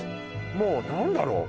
もう何だろう？